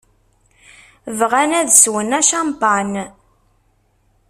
Bɣan ad swen acampan.